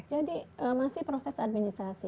jadi masih proses administrasi